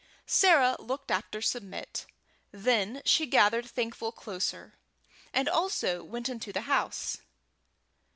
Sarah looked after Submit, then she gathered Thankful closer, and also went into the house.